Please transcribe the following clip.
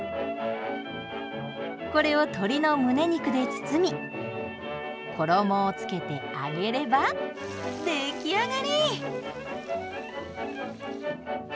これを鶏の胸肉で包み衣をつけて揚げれば出来上がり。